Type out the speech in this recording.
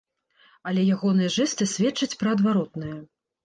Але ягоныя жэсты сведчаць пра адваротнае.